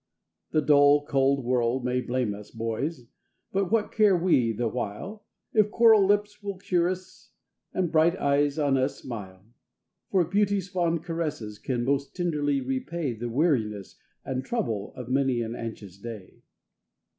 The dull, cold world may blame us, boys! but what care we the while, If coral lips will cheer us, and bright eyes on us smile? For beauty's fond caresses can most tenderly repay The weariness and trouble of many an anxious day.